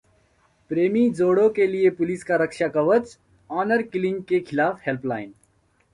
प्रेमी जोड़ों के लिए पुलिस का रक्षा कवच, ऑनर किलिंग के खिलाफ हेल्पलाइन